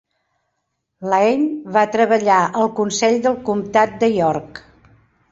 Lane va treballar al consell del comtat de York.